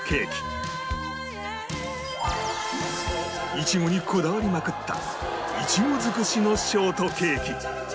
イチゴにこだわりまくったイチゴ尽くしのショートケーキ